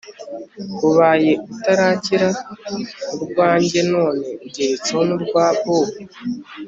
ubaye utarakira urwanyjye none ugeretseho nurwa bobi